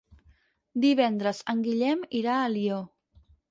Divendres en Guillem irà a Alió.